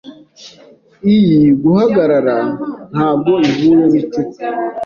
Iyi guhagarara ntabwo ihuye nicupa.